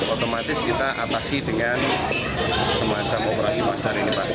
otomatis kita atasi dengan semacam operasi pasar ini pak